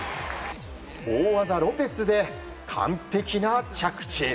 大技ロペスで完璧な着地。